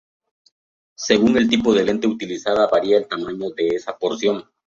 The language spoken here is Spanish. Según el tipo de lente utilizada varía el tamaño de esa porción.